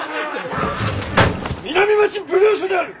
南町奉行所である！